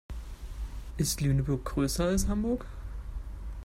Ist Lüneburg größer als Hamburg?